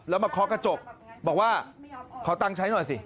แล้วมาเคาะกระจกบอกว่าขอตังค์ใช้หน่อยสิ